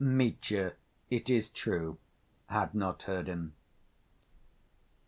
Mitya, it is true, had not heard him.